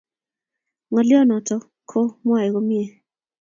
Ngaliot notok ko mwae komie